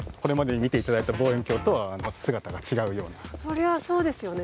そりゃそうですよね。